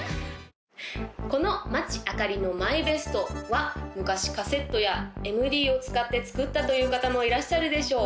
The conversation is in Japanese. この町あかりのＭＹＢＥＳＴは昔カセットやＭＤを使って作ったという方もいらっしゃるでしょう